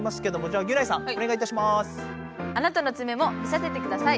あなたのつめも見させてください。